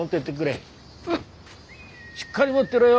しっかり持ってろよ！